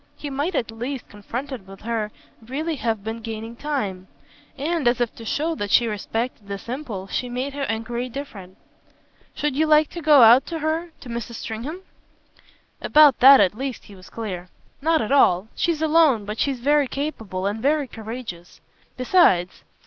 He might at last, confronted with her, really have been gaining time; and as if to show that she respected this impulse she made her enquiry different. "Should you like to go out to her to Mrs. Stringham?" About that at least he was clear. "Not at all. She's alone, but she's very capable and very courageous. Besides